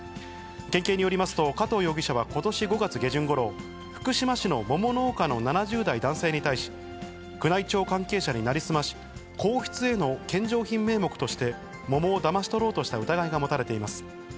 県警によりますと、加藤容疑者はことし５月下旬ごろ、福島市の桃農家の７０代男性に対し、宮内庁関係者に成り済まし、皇室への献上品名目として、桃をだまし取ろうとした疑いが持たれています。